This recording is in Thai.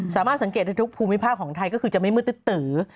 สามารถสังเกตได้ทุกภูมิภาคของไทยก็คือจะไม่มืดตื้อ